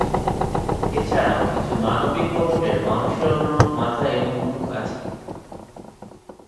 এছাড়াও কিছু মানবিক রোবটের মানুষের অনুরূপ মাথা এবং মুখ আছে।